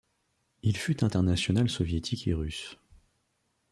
Il fut international soviétique et russe.